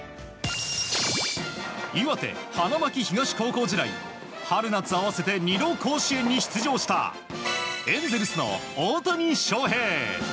岩手・花巻東高校時代春夏合わせて２度甲子園に出場したエンゼルスの大谷翔平。